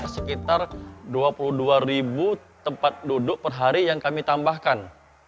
sekitar dua puluh dua ribu tempat duduk per hari yang kami tambahkan